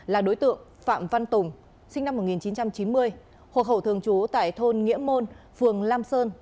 là đối tượng phạm văn tùng sinh năm một nghìn chín trăm chín mươi hộ khẩu thường trú tại thôn nghĩa môn phường lam sơn